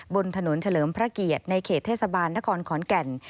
บนถนนเฉลิมพระเกียรติในเขตเทศบาลนครขอนแก่น